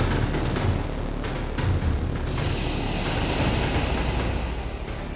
oke kalau lupa saya ingetin ya